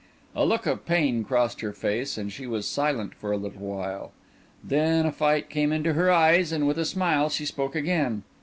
A look of pain crossed her face, and she was silent for a little while. Then a fight came into her eyes, and with a smile she spoke again.